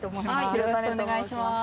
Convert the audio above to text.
よろしくお願いします